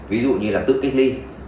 ví dụ như tự cách ly